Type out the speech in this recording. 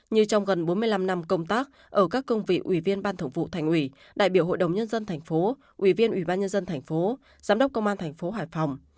như trong gần bốn mươi năm năm công tác ở các công vị ubnd tp hải phòng đại biểu hội đồng nhân dân tp ubnd tp giám đốc công an tp hải phòng